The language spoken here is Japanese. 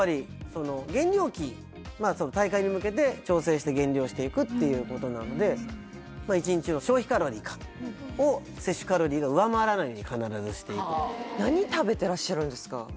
その大会に向けて調整して減量していくっていうことなのでまあ１日の消費カロリーを摂取カロリーが上回らないように必ずしていく何食べてらっしゃるんですか？